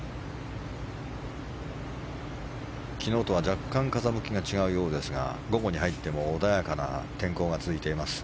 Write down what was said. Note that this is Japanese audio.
昨日とは若干風向きが違うようですが午後に入っても穏やかな天候が続いています。